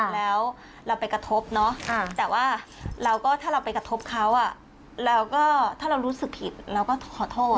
แล้วเราไปกระทบเนาะแต่ว่าเราก็ถ้าเราไปกระทบเขาแล้วก็ถ้าเรารู้สึกผิดเราก็ขอโทษ